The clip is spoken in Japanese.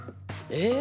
え？